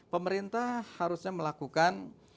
pemerintah harusnya melakukan